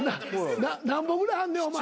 なんぼぐらいあんねんお前。